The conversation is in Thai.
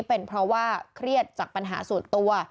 เป็นเพราะว่าเครียดจากปัญหาส่วนตัว